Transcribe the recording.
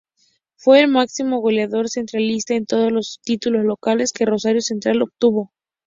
Fue el máximo goleador centralista en todos los títulos locales que Rosario Central obtuvo.